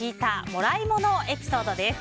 もらい物エピソードです。